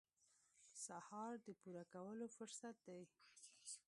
سهار د پوره کولو فرصت دی.